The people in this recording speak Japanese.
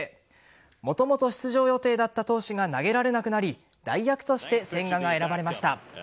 もともと出場予定だった投手が投げられなくなり代役として、千賀が選ばれました。